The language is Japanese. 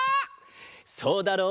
そうだろう？